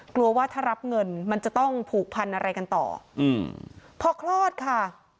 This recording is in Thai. กลัวว่าถ้ารับเงินมันจะต้องผูกพันอะไรกันต่ออืมพอคลอดค่ะ